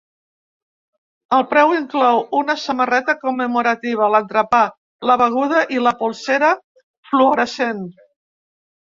El preu inclou una samarreta commemorativa, l’entrepà, la beguda i la polsera fluorescent.